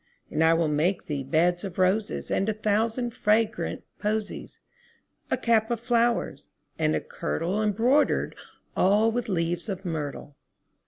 And I will make thee beds of roses And a thousand fragrant posies; 10 A cap of flowers, and a kirtle Embroider'd all with leaves of myrtle.